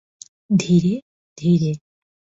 ধীরে, ধীরে।